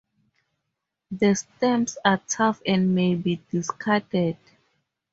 The stems are tough and may be discarded.